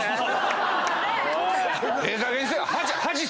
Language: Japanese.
ええかげんにせえ。